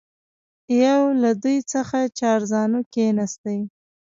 یو له دوی څخه چارزانو کښېنستی.